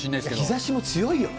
日ざしも強いよね。